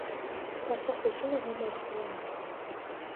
Դասախոսում է համալսարանում։